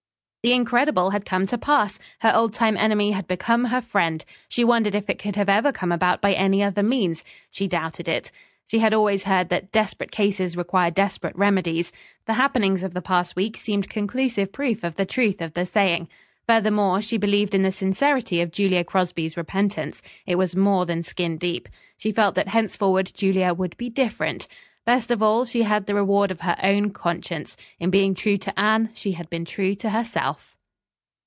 The incredible had come to pass. Her old time enemy had become her friend. She wondered if it could have ever come about by any other means. She doubted it. She had always heard that "Desperate cases require desperate remedies." The happenings of the past week seemed conclusive proof of the truth of the saying. Furthermore, she believed in the sincerity of Julia Crosby's repentance. It was more than skin deep. She felt that henceforward Julia would be different. Best of all, she had the reward of her own conscience. In being true to Anne she had been true to herself.